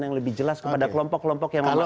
yang lebih jelas kepada kelompok kelompok yang menolak